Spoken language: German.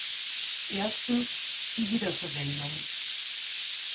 Erstens, die Wiederverwendung.